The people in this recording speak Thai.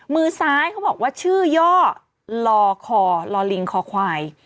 มือซ้ายเขาบอกว่าชื่อย่อลอคอลอลิงคอควาย